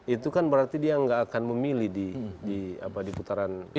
itu kan berarti dia tidak akan memilih di putaran kedua ini